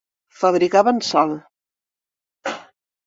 Fabricaven sal.